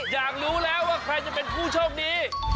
อยากรู้แล้วว่าใครจะเป็นผู้โชคดี